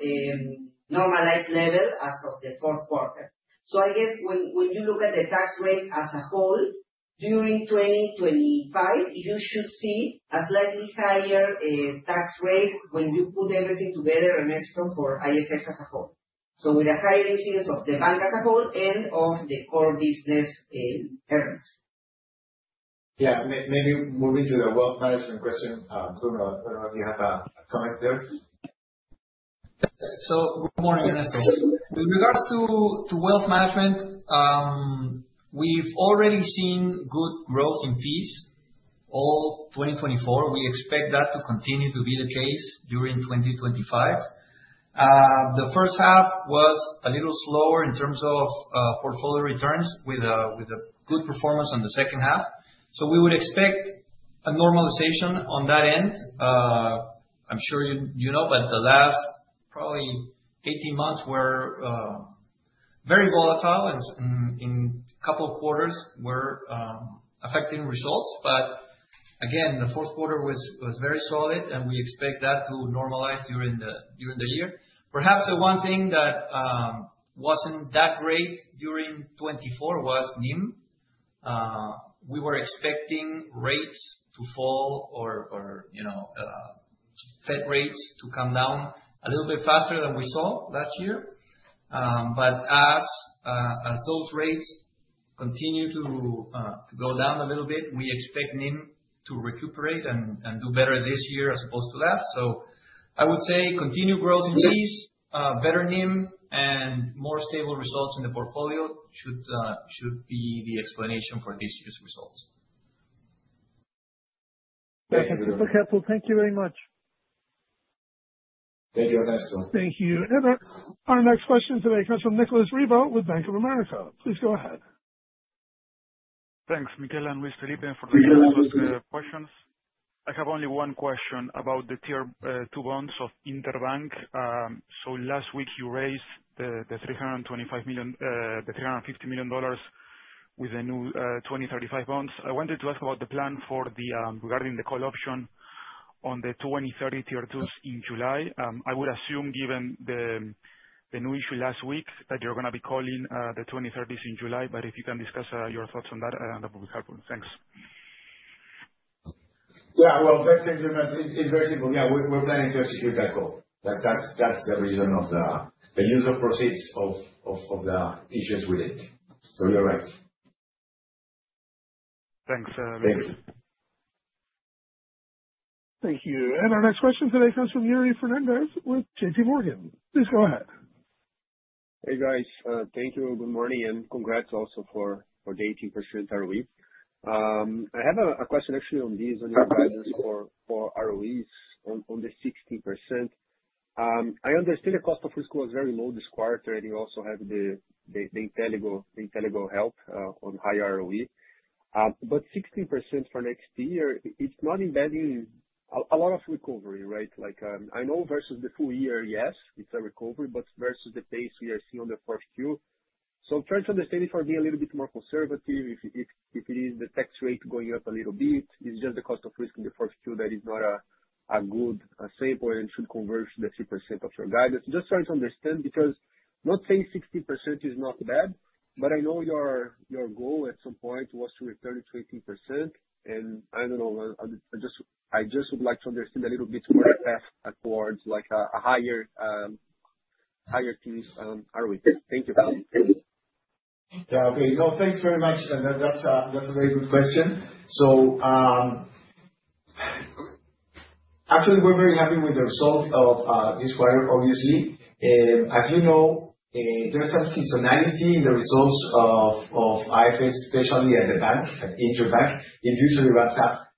normalized level as of the fourth quarter. So I guess when you look at the tax rate as a whole during 2025, you should see a slightly higher tax rate when you put everything together, Ernesto, for IFS as a whole. So with a higher incidence of the bank as a whole and of the core business earnings. Yeah. Maybe moving to the wealth management question, Bruno, I don't know if you have a comment there. So good morning, Ernesto. With regards to wealth management, we've already seen good growth in fees all 2024. We expect that to continue to be the case during 2025. The first half was a little slower in terms of portfolio returns with a good performance on the second half, so we would expect a normalization on that end. I'm sure you know, but the last probably 18 months were very volatile, and in a couple of quarters were affecting results, but again, the fourth quarter was very solid, and we expect that to normalize during the year. Perhaps the one thing that wasn't that great during 2024 was NIM. We were expecting rates to fall or Fed rates to come down a little bit faster than we saw last year, but as those rates continue to go down a little bit, we expect NIM to recuperate and do better this year as opposed to last. So I would say continued growth in fees, better NIM, and more stable results in the portfolio should be the explanation for this year's results. Thank you. That's super helpful. Thank you very much. Thank you, Ernesto. Thank you. Our next question today comes from Nicolas Riva with Bank of America. Please go ahead. Thanks, Michela and Luis Felipe for the questions. I have only one question about the tier two bonds of Interbank. So last week, you raised the $350 million with the new 2035 bonds. I wanted to ask about the plan regarding the call option on the 2030 tier twos in July. I would assume, given the new issue last week, that you're going to be calling the 2030s in July. But if you can discuss your thoughts on that, that would be helpful. Thanks. Yeah. Well, thanks, Nicholas. It's very simple. Yeah, we're planning to execute that goal. That's the reason of the use of proceeds of the issues with it. So you're right. Thanks. Thank you. Thank you. And our next question today comes from Yuri Fernandes with JPMorgan. Please go ahead. Hey, guys. Thank you. Good morning. And congrats also for the 18% ROE. I have a question actually on this, on your guidance for ROEs on the 16%. I understand the cost of risk was very low this quarter, and you also have the Inteligo help on high ROE. But 16% for next year, it's not embedding a lot of recovery, right? I know versus the full year, yes, it's a recovery, but versus the pace we are seeing on the 4th Q. So, I'm trying to understand if you're being a little bit more conservative, if it is the tax rate going up a little bit, it's just the cost of risk in the 4th Q that is not a good sample and should converge to the 3% of your guidance. Just trying to understand because, not saying 16% is not bad, but I know your goal at some point was to return to 18%. And I don't know, I just would like to understand a little bit more towards a higher ROE. Thank you. Yeah. Okay. No, thanks very much. And that's a very good question. So actually, we're very happy with the result of this quarter, obviously. As you know, there's some seasonality in the results of IFS, especially at the bank, at Interbank. It usually ramps up.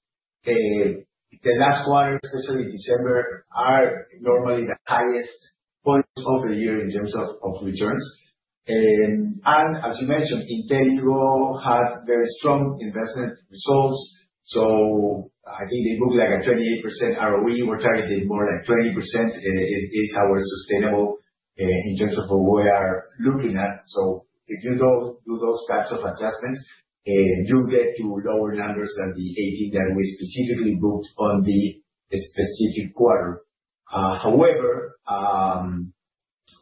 The last quarter, especially in December, are normally the highest points of the year in terms of returns. And as you mentioned, Inteligo had very strong investment results. So I think they booked like a 28% ROE. We're targeting more like 20% is our sustainable in terms of what we are looking at. So if you do those types of adjustments, you'll get to lower numbers than the 18% that we specifically booked on the specific quarter. However,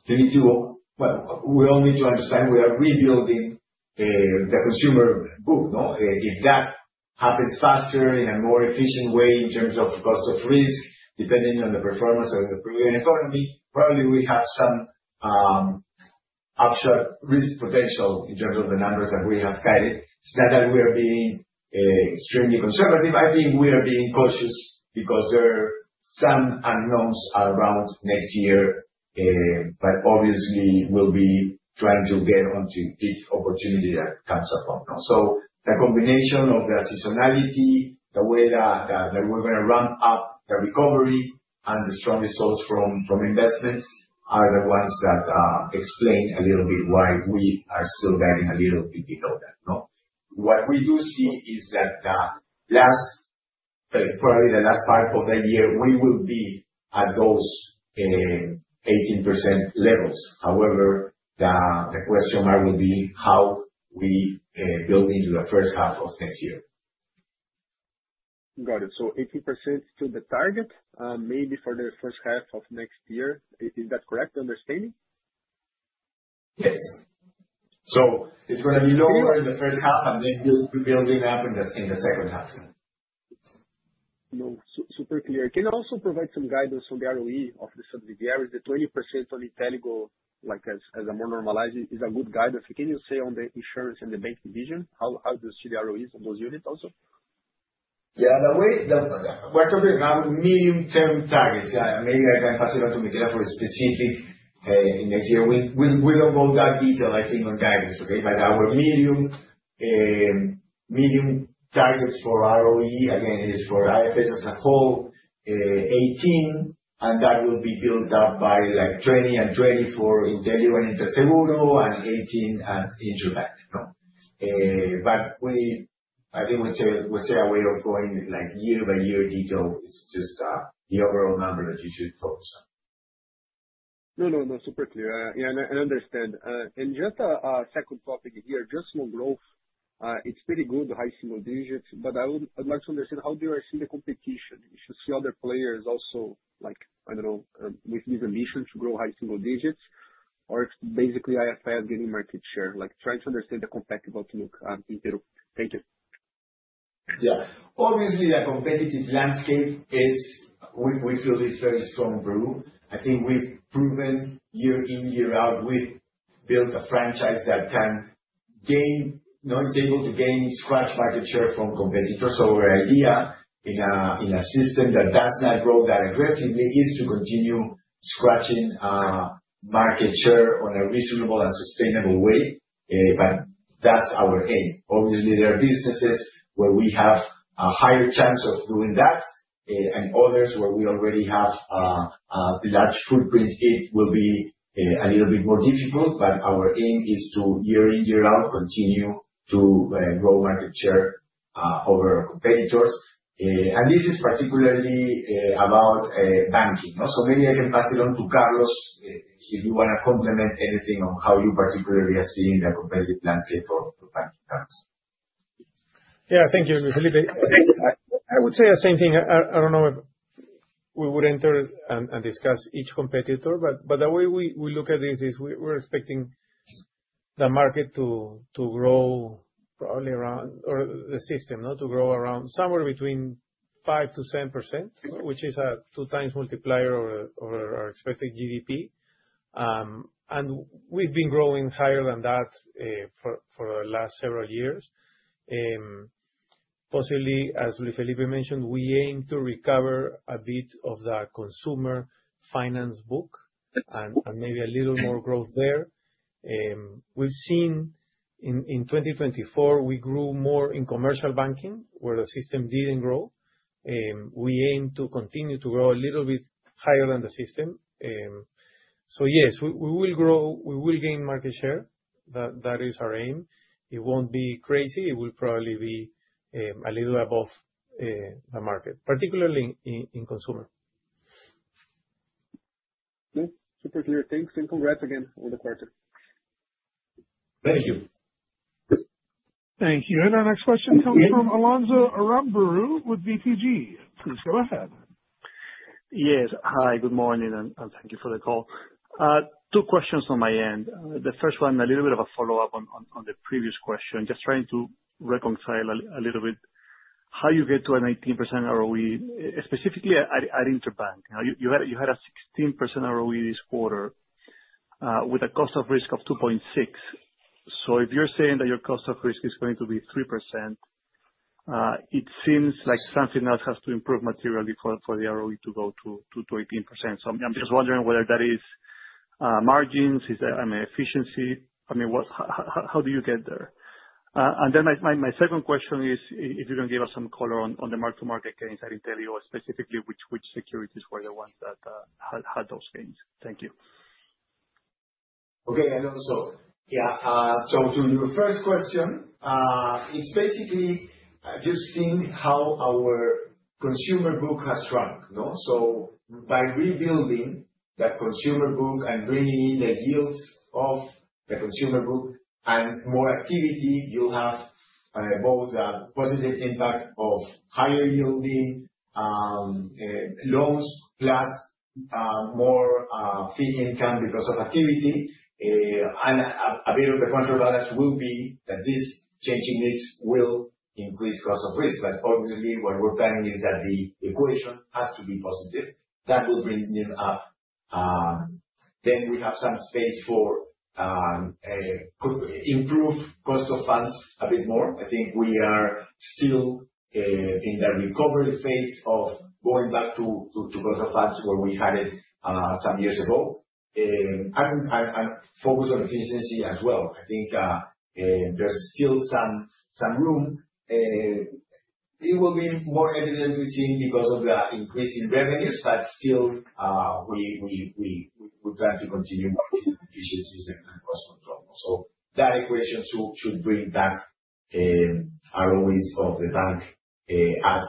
we need to, well, we all need to understand we are rebuilding the consumer book. If that happens faster in a more efficient way in terms of the cost of risk, depending on the performance of the Peruvian economy, probably we have some upside risk potential in terms of the numbers that we have guided. It's not that we are being extremely conservative. I think we are being cautious because there are some unknowns around next year, but obviously, we'll be trying to get onto each opportunity that comes up. So the combination of the seasonality, the way that we're going to ramp up the recovery and the strong results from investments are the ones that explain a little bit why we are still guiding a little bit below that. What we do see is that probably the last part of the year, we will be at those 18% levels. However, the question mark will be how we build into the first half of next year. Got it. So 18% to the target, maybe for the first half of next year. Is that correct? Understanding? Yes. So it's going to be lower in the first half, and then we're building up in the second half. No, super clear. Can you also provide some guidance on the ROE of the subsidiaries? The 20% on Inteligo, as a more normalized, is a good guidance. Can you say on the insurance and the bank division, how do you see the ROEs on those units also? Yeah. We're talking about medium-term targets. Yeah. Maybe I can pass it on to Michela for a specific next year. We don't go that detail, I think, on guidance, okay? But our medium targets for ROE, again, is for IFS as a whole, 18%, and that will be built up by like 20% and 20% for Inteligo and Interseguro and 18% at Interbank. But I think we'll stay away of going year-by-year detail. It's just the overall number that you should focus on. No, no, no. Super clear. Yeah. And I understand. And just a second topic here, just small growth. It's pretty good, the high single digits, but I would like to understand how do you see the competition? You should see other players also, I don't know, with these ambitions to grow high single digits or basically IFS getting market share. Trying to understand the competitive outlook in. Thank you. Yeah. Obviously, a competitive landscape, we feel is very strong, Bruno. I think we've proven year in, year out, we've built a franchise that can gain, is able to gain steal market share from competitors. So our idea in a system that does not grow that aggressively is to continue stealing market share on a reasonable and sustainable way. But that's our aim. Obviously, there are businesses where we have a higher chance of doing that, and others where we already have a large footprint. It will be a little bit more difficult, but our aim is to year in, year out, continue to grow market share over our competitors. And this is particularly about banking. So maybe I can pass it on to Carlos if you want to complement anything on how you particularly are seeing the competitive landscape for banking companies. Yeah. Thank you, Felipe. I would say the same thing. I don't know if we would enter and discuss each competitor, but the way we look at this is we're expecting the market to grow probably around, or the system to grow around somewhere between 5%-10%, which is a two-times multiplier of our expected GDP. And we've been growing higher than that for the last several years. Possibly, as Luis Felipe mentioned, we aim to recover a bit of the consumer finance book and maybe a little more growth there. We've seen in 2024 we grew more in commercial banking where the system didn't grow. We aim to continue to grow a little bit higher than the system. So yes, we will grow, we will gain market share. That is our aim. It won't be crazy. It will probably be a little above the market, particularly in consumer. Okay. Super clear. Thanks. And congrats again for the quarter. Thank you. Thank you. And our next question comes from Alonso Aramburú with BTG. Please go ahead. Yes. Hi, good morning, and thank you for the call. Two questions on my end. The first one, a little bit of a follow-up on the previous question. Just trying to reconcile a little bit how you get to an 18% ROE, specifically at Interbank. You had a 16% ROE this quarter with a cost of risk of 2.6%. So if you're saying that your cost of risk is going to be 3%, it seems like something else has to improve materially for the ROE to go to 18%. So I'm just wondering whether that is margins, is that efficiency? I mean, how do you get there? And then my second question is if you can give us some color on the mark-to-market gains at Inteligo, specifically which securities were the ones that had those gains. Thank you. Okay. And also, yeah. So to your first question, it's basically just seeing how our consumer book has shrunk. So by rebuilding that consumer book and bringing in the yields of the consumer book and more activity, you'll have both the positive impact of higher yielding loans plus more fee income because of activity. And a bit of the counterbalance will be that this changing mix will increase cost of risk. But obviously, what we're planning is that the equation has to be positive. That will bring them up. Then we have some space for improved cost of funds a bit more. I think we are still in the recovery phase of going back to cost of funds where we had it some years ago and focus on efficiency as well. I think there's still some room. It will be more evidently seen because of the increase in revenues, but still, we plan to continue working on efficiencies and cost control. So that equation should bring back ROEs of the bank at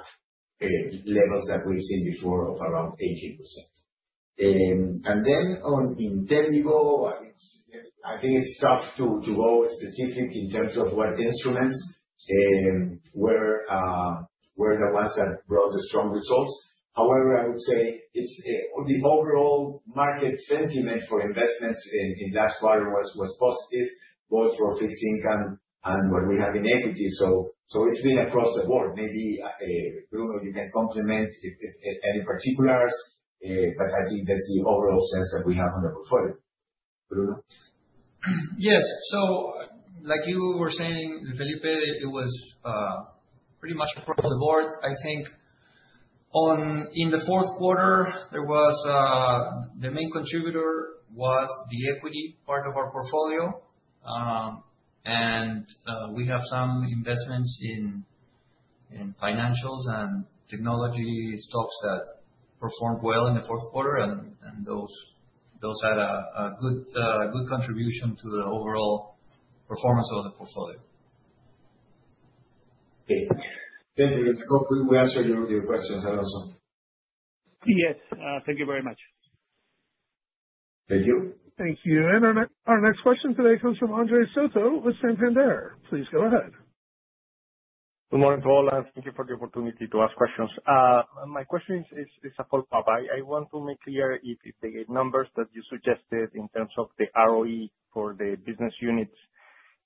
levels that we've seen before of around 18% and then on Inteligo, I think it's tough to go specific in terms of what instruments were the ones that brought the strong results. However, I would say the overall market sentiment for investments in that quarter was positive, both for fixed income and what we have in equity. So it's been across the board. Maybe Bruno, you can complement any particulars, but I think that's the overall sense that we have on the portfolio. Bruno? Yes. So like you were saying, Felipe, it was pretty much across the board. I think in the fourth quarter, the main contributor was the equity part of our portfolio. And we have some investments in financials and technology stocks that performed well in the fourth quarter, and those had a good contribution to the overall performance of the portfolio. Okay. Thank you. I hope we answered your questions, Alonso. Yes. Thank you very much. Thank you. Thank you. And our next question today comes from Andrés Soto with Santander. Please go ahead. Good morning to all. Thank you for the opportunity to ask questions. My question is a follow-up. I want to make clear if the numbers that you suggested in terms of the ROE for the business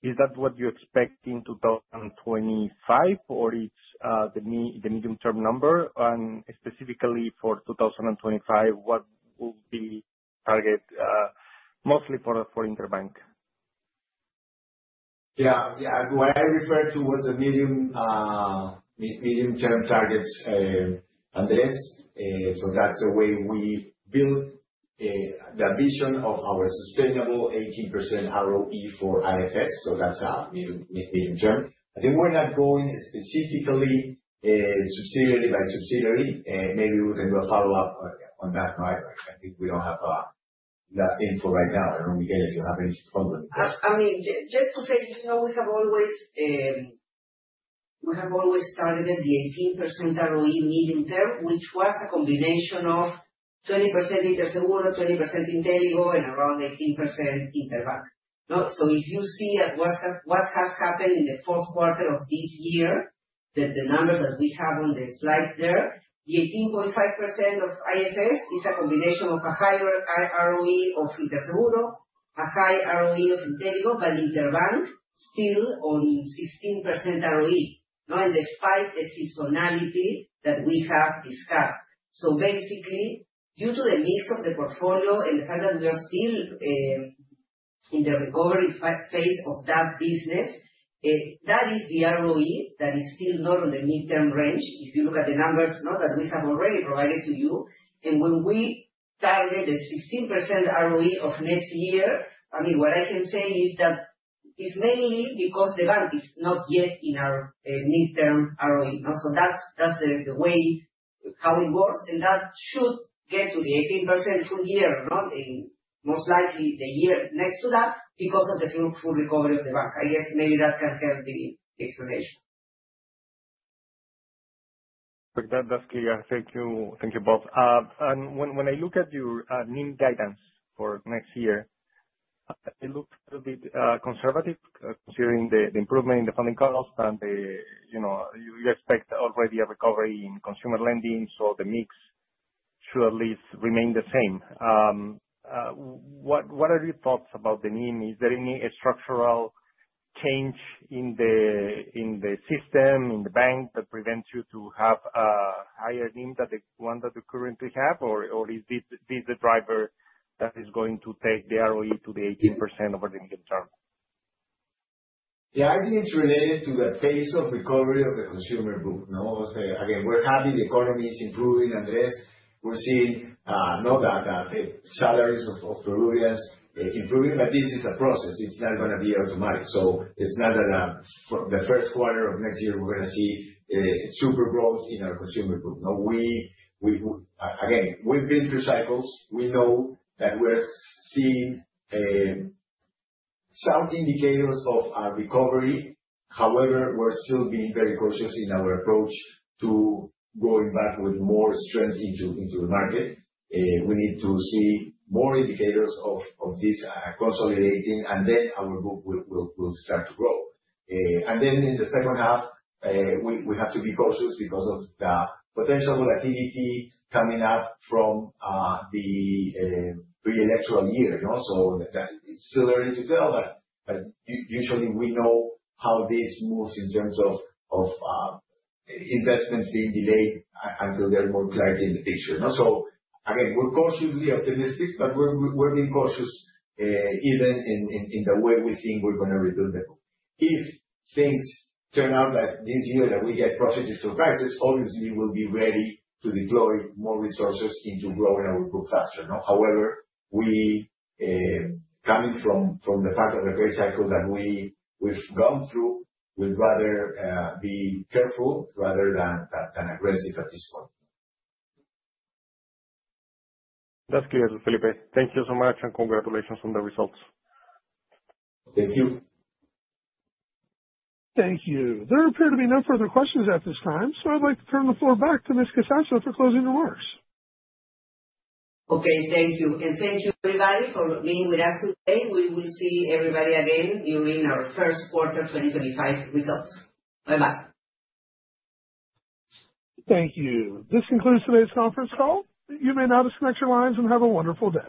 units, is that what you're expecting in 2025, or it's the medium-term number? And specifically for 2025, what will be target mostly for Interbank? Yeah. Yeah. What I referred to was the medium-term targets, Andrés. So that's the way we build the vision of our sustainable 18% ROE for IFS. So that's medium-term. I think we're not going specifically subsidiary by subsidiary. Maybe we can do a follow-up on that. I think we don't have that info right now. I don't know, Michela, if you have anything to complement. I mean, just to say, we have always started at the 18% ROE medium-term, which was a combination of 20% Interseguro, 20% Inteligo and around 18% Interbank. So if you see what has happened in the fourth quarter of this year, the numbers that we have on the slides there, the 18.5% of IFS is a combination of a higher ROE of Interseguro, a high ROE of Inteligo, but Interbank still on 16% ROE, and despite the seasonality that we have discussed. So basically, due to the mix of the portfolio and the fact that we are still in the recovery phase of that business, that is the ROE that is still not on the mid-term range. If you look at the numbers that we have already provided to you, and when we target the 16% ROE of next year, I mean, what I can say is that it's mainly because the bank is not yet in our mid-term ROE. That's the way how it works, and that should get to the 18% full year, most likely the year next to that because of the full recovery of the bank. I guess maybe that can help in the explanation. That's clear. Thank you both. When I look at your new guidance for next year, it looks a bit conservative considering the improvement in the funding costs, and you expect already a recovery in consumer lending, so the mix should at least remain the same. What are your thoughts about the NIM? Is there any structural change in the system, in the bank that prevents you to have a higher NIM than the one that you currently have, or is this the driver that is going to take the ROE to the 18% over the medium term? The argument's related to the phase of recovery of the consumer book. Again, we're happy the economy is improving, Andres. We're seeing the salaries of Peruvians improving, but this is a process. It's not going to be automatic. So it's not that the first quarter of next year, we're going to see super growth in our consumer book. Again, we've been through cycles. We know that we're seeing some indicators of recovery. However, we're still being very cautious in our approach to going back with more strength into the market. We need to see more indicators of this consolidating, and then our book will start to grow. Then in the second half, we have to be cautious because of the potential volatility coming up from the pre-electoral year. So it's still early to tell, but usually, we know how this moves in terms of investments being delayed until there's more clarity in the picture. So again, we're cautiously optimistic, but we're being cautious even in the way we think we're going to rebuild the book. If things turn out that this year that we get positive surprises, obviously, we'll be ready to deploy more resources into growing our book faster. However, coming from the part of the great cycle that we've gone through, we'd rather be careful rather than aggressive at this point. That's clear, Felipe. Thank you so much, and congratulations on the results. Thank you. Thank you. There appear to be no further questions at this time. So I'd like to turn the floor back to Ms. Casassa for closing remarks. Okay. Thank you and thank you, everybody, for being with us today. We will see everybody again during our First Quarter 2025 Results. Bye-bye. Thank you. This concludes today's conference call. You may now disconnect your lines and have a wonderful day.